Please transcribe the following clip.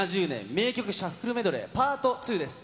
名曲シャッフルメドレーパート２です。